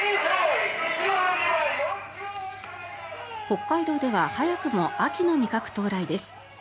北海道では早くも秋の味覚到来です。